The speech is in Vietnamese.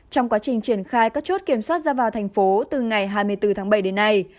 trong quá trình triển khai các chốt kiểm soát ra vào thành phố từ ngày hai mươi bốn tháng bảy đến nay